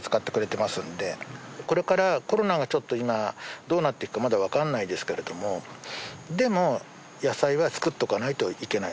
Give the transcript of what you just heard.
これからコロナがちょっと今どうなっていくかまだわからないですけれどもでも野菜は作っておかないといけない。